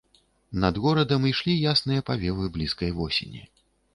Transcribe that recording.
Над горадам ішлі ясныя павевы блізкай восені.